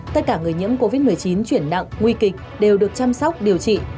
tất cả người nhiễm covid một mươi chín chuyển nặng nguy kịch đều được chăm sóc điều trị